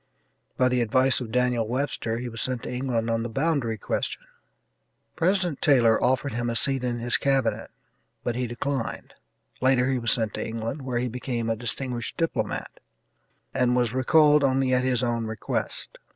By the advice of Daniel Webster he was sent to England on the boundary question. President Taylor offered him a seat in his Cabinet, but he declined later he was sent to England, where he became a distinguished diplomat, and was recalled only at his own request.